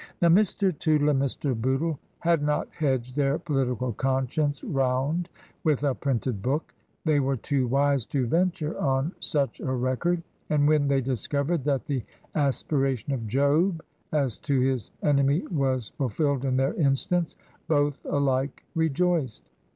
Now, Mr. Tootle and Mr. Bootle had not hedged their political conscience round with a printed book; they were too wise to venture on such a record. And when they discovered that the aspiration of Job as to his enemy was fulfilled in their instance, both alike rejoiced.